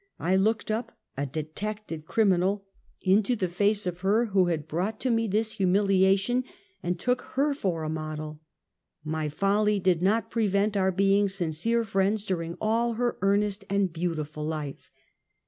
1 looked up, a detected criminal, into the face of her who had brought Lose my Beothek, 29 to me this linmiliation, and took her for a model. My follj did not prevent our being sincere friends daring all her earnest and beautiful life.